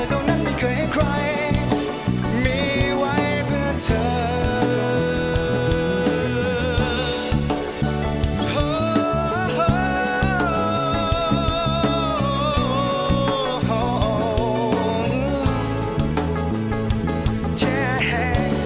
เจ้านั้นไม่เคยให้ใครมีไว้เพื่อเธอ